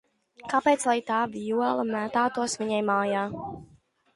Kāpēc lai tā vijole mētātos viņa mājā?